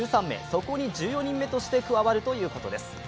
そこに１４人目として加わるということです。